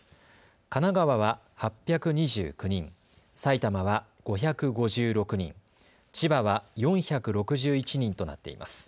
神奈川は８２９人、埼玉は５５６人、千葉は４６１人となっています。